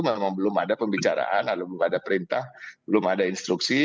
memang belum ada pembicaraan lalu belum ada perintah belum ada instruksi